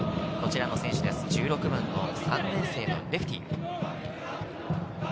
１６番の３年生のレフティ。